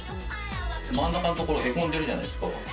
真ん中のところへこんでるじゃないですか。